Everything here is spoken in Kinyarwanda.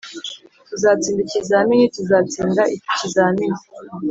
tuzatsinda ikizamini tuzatsinda iki’ ikizamini